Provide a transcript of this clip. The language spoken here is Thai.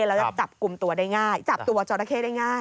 แล้วยังจับกลุ่มตัวได้ง่ายจับตัวจอราเข้ได้ง่าย